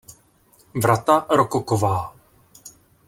Vrata rokoková.